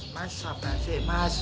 mas sabar sih mas